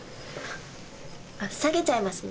下げちゃいますね。